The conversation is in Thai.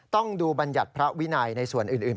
ต้องดูบัญญัติพระวินัยในส่วนอื่น